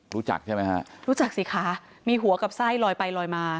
รู้จักใช่ไหมฮะรู้จักสิคะมีหัวกับไส้ลอยไปลอยมา